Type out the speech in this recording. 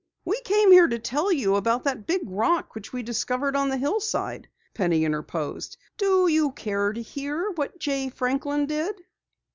"We came to tell you about that big rock which we discovered on the hillside," Penny interposed. "Do you care to hear what Jay Franklin did?"